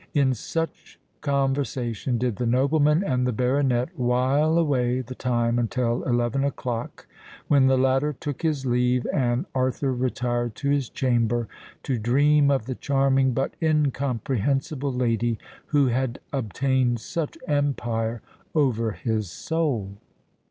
In such conversation did the nobleman and the baronet while away the time until eleven o'clock, when the latter took his leave, and Arthur retired to his chamber to dream of the charming but incomprehensible lady who had obtained such empire over his soul.